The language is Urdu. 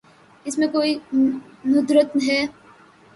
اس میں کوئی ندرت ہے۔